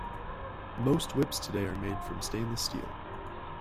Most whips today are made from stainless steel.